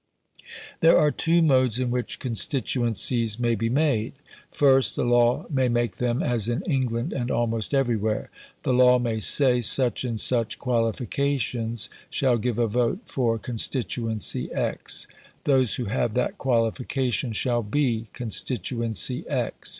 There are two modes in which constituencies may be made. First, the law may make them, as in England and almost everywhere: the law may say such and such qualifications shall give a vote for constituency X; those who have that qualification shall BE constituency X.